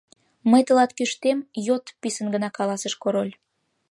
— Мый тылат кӱштем: йод! — писын гына каласыш король.